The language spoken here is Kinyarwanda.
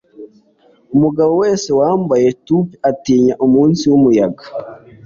Umugabo wese wambaye toupee atinya umunsi wumuyaga.